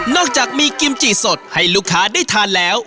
อกจากมีกิมจีสดให้ลูกค้าได้ทานแล้ว